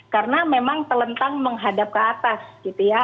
karena memang telentang menghadap ke atas gitu ya